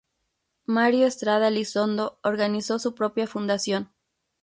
Mario Estrada Elizondo organizó su propia fundación.